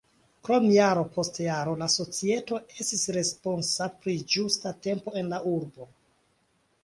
Krome jaro post jaro la societo estis responsa pri ĝusta tempo en la urbo.